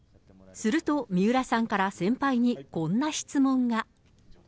すると三浦さんから先輩にこんな質問が。